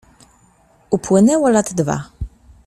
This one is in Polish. "Upłynęło lat dwa."